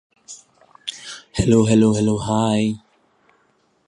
He is the youngest child featured in the video.